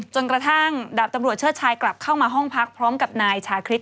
กระทั่งดาบตำรวจเชิดชายกลับเข้ามาห้องพักพร้อมกับนายชาคริส